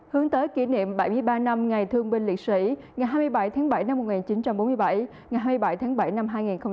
hướng tới kỷ niệm bảy mươi ba năm ngày thương binh liệt sĩ ngày hai mươi bảy tháng bảy năm một nghìn chín trăm bốn mươi bảy ngày hai mươi bảy tháng bảy năm hai nghìn hai mươi